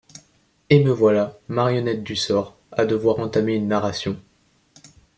Et me voilà, marionnette du sort, à devoir entamer une narration.